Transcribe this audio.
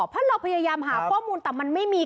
เพราะเราพยายามหาข้อมูลแต่มันไม่มี